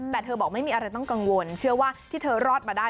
แต่เธอบอกไม่มีอะไรต้องกังวลเชื่อว่าที่เธอรอดมาได้